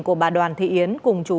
của bà đoàn thị yến cùng trú